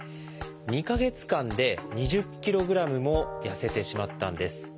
２か月間で２０ｋｇもやせてしまったんです。